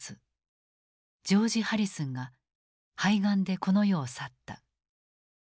ジョージ・ハリスンが肺がんでこの世を去った。